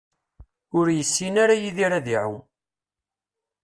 Ur yessin ara Yidir ad iɛumm.